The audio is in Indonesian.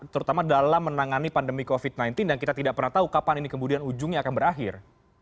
terutama dalam menangani pandemi covid sembilan belas dan kita tidak pernah tahu kapan ini kemudian ujungnya akan berakhir